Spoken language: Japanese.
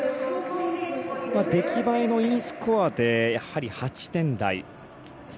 出来栄えのＥスコアで８点台。